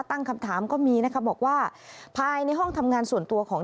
ตั้งคำถามก็มีนะคะบอกว่าภายในห้องทำงานส่วนตัวของ